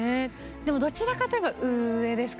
でもどちらかといえば上ですかね。